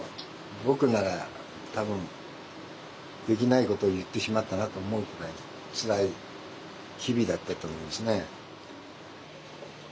僕なら多分できないことを言ってしまったなと思うくらいつらい日々だったと思いますね。